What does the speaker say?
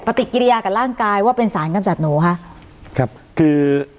ปฏิกิริยากับร่างกายว่าเป็นสารกำจัดหนูคะครับคือ